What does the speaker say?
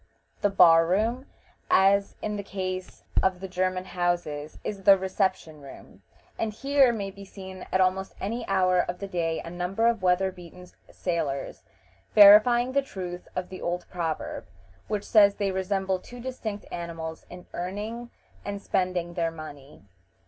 The bar room, as in the case of the German houses, is the reception room, and here may be seen at almost any hour of the day a number of weather beaten sailors, verifying the truth of the old proverb, which says they resemble two distinct animals in earning and spending their money.